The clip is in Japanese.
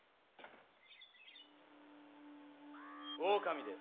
オオカミです。